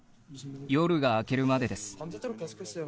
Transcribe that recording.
夜が明けるまでです。